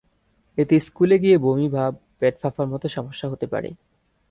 এতে স্কুলে গিয়ে বমি ভাব, পেট ফাঁপার মতো সমস্যা হতে পারে।